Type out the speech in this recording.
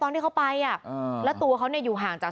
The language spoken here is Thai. ที่เขาไปอ่ะอ่าแล้วตัวเขาเนี่ยอยู่ห่างจาก